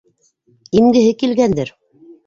Имгеһе килгәндер.